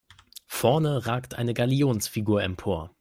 Vorne ragt eine Galionsfigur empor.